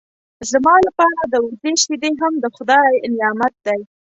زما لپاره د وزې شیدې هم د خدای نعمت دی.